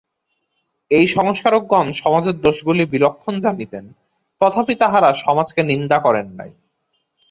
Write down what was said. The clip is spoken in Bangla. এই সংস্কারকগণ সমাজের দোষগুলি বিলক্ষণ জানিতেন, তথাপি তাঁহারা সমাজকে নিন্দা করেন নাই।